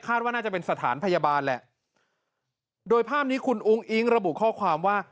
ว่าน่าจะเป็นสถานพยาบาลแหละโดยภาพนี้คุณอุ้งอิ๊งระบุข้อความว่า